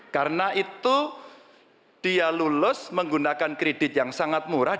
karena itu dia lulus menggunakan kredit yang sangat murah